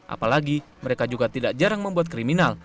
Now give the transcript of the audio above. apalagi mereka juga tidak jarang membuat kriminal